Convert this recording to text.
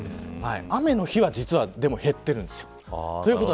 雨の日は実は減ってるんです。